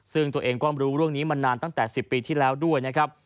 ซึ่งตัวเองก็รู้เรื่องนี้มานานตั้งแต่๑๐ปีที่แล้วด้วยนะครับ